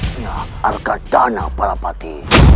karena dia akan tahu